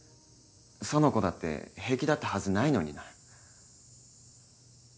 苑子だって平気だったはずないのにな。